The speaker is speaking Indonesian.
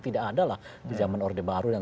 tidak ada lah di zaman orde baru yang